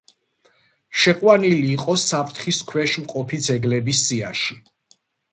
შეყვანილი იყო საფრთხის ქვეშ მყოფი ძეგლების სიაში.